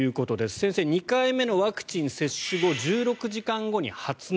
先生、２回目のワクチン接種後１６時間後に発熱。